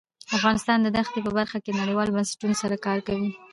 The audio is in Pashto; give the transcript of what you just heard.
افغانستان د دښتې په برخه کې نړیوالو بنسټونو سره کار کوي.